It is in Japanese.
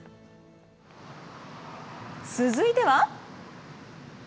続いては。